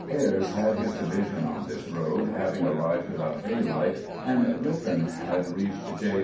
Ayres had his division on this road, having arrived about daylight ; and Griffin had reached. J.